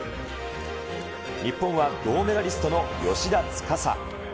日本は銅メダリストの芳田司。